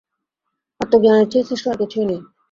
আত্মজ্ঞানের চেয়ে শ্রেষ্ঠ আর কিছুই নেই।